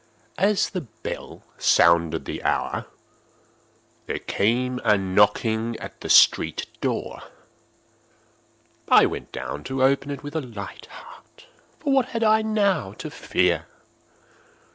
As the bell sounded the hour, there came a knocking at the street door. I went down to open it with a light heart,—for what had I now to fear?